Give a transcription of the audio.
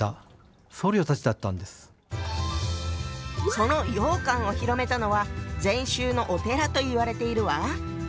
その羊羹を広めたのは禅宗のお寺といわれているわ。